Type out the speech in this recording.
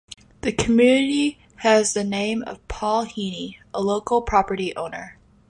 The community has the name of Paul Heeney, a local property owner.